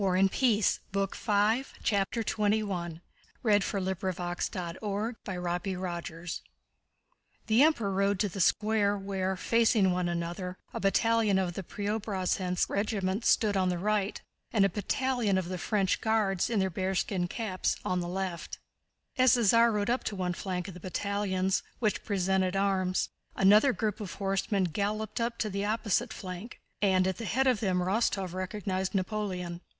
Beside himself with enthusiasm, Rostóv ran after him with the crowd. CHAPTER XXI The Emperor rode to the square where, facing one another, a battalion of the Preobrazhénsk regiment stood on the right and a battalion of the French Guards in their bearskin caps on the left. As the Tsar rode up to one flank of the battalions, which presented arms, another group of horsemen galloped up to the opposite flank, and at the head of them Rostóv recognized Napoleon.